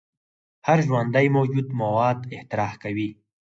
هر ژوندی موجود مواد اطراح کوي